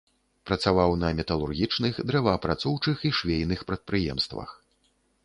Працаваў на металургічных, дрэваапрацоўчых і швейных прадпрыемствах.